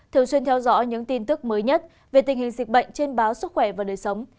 thường xuyên theo dõi những tin tức mới nhất về tình hình dịch bệnh trên báo sức khỏe và đời sống